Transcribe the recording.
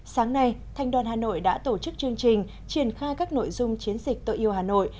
sáng nay thanh đoàn hà nội đã tổ chức chương trình triển khai các nội dung chiến dịch tôi yêu hà nội